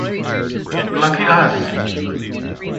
Lucky us’.